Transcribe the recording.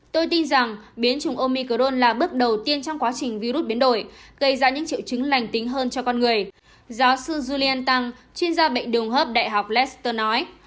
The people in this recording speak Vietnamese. tôi tin rằng biến chủng omicron là bước đầu tiên trong quá trình virus biến đổi gây ra những triệu chứng lành tính hơn cho con người giáo sư julian tang chuyên gia bệnh đồng hợp đại học leicester nói